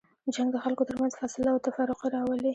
جنګ د خلکو تر منځ فاصله او تفرقې راولي.